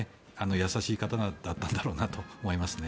優しい方だったんだろうなと思いますね。